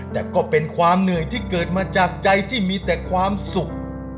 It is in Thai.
แต่ก็เป็นความเหนื่อยที่เกิดมาจากใจที่มีแต่ความสุข